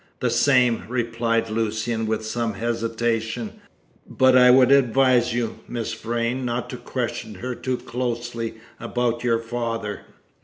"The same," replied Lucian, with some hesitation; "but I would advise you, Miss Vrain, not to question her too closely about your father."